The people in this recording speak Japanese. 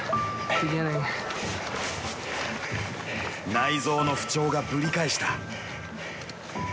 内臓の不調がぶり返した。